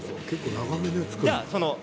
結構長めで作るの？